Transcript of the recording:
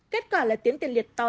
kết quả là tuyến tiền liệt to